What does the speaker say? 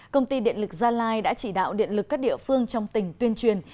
công ty điện lực gia lai đã chỉ đạo điện lực các địa phương trong tỉnh tuyên truyền